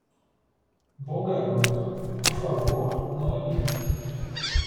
Bom garoto, por favor não imita